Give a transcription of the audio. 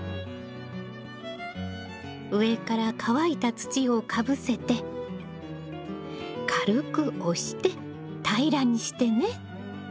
上から乾いた土をかぶせて軽く押して平らにしてね。